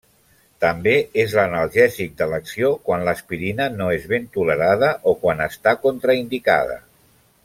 També és l'analgèsic d'elecció quan l'aspirina no és ben tolerada o quan està contraindicada.